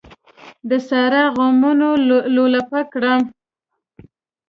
د سارا غمونو لولپه کړم.